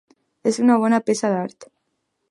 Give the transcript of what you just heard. És una bona peça d'art.